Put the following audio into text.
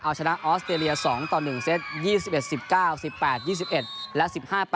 เอาชนะออสเตรเลีย๒ต่อ๑เซต๒๑๑๙๑๘๒๑และ๑๕๘